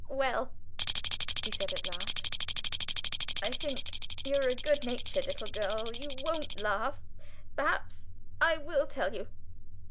"Well," he said at last, "I think you're a good natured little girl; you won't laugh. Perhaps I will tell you!"